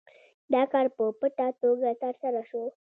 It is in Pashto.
دا کار په پټه توګه ترسره شو.